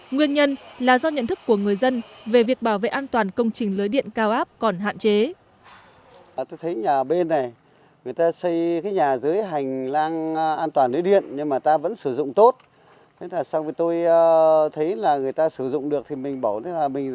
nguyên nhân là do nhận thức của người dân về việc bảo vệ an toàn công trình lưới điện cao áp còn hạn chế